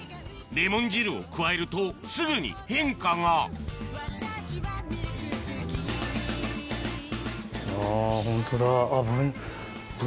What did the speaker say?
レモン汁を加えるとすぐに変化があぁホントだあっ。